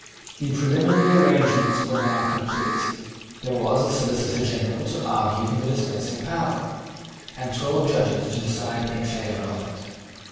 The preliminary arrangements were now complete. There was a Solicitor General to argue for the dispensing power, and twelve Judges to decide in favour of it.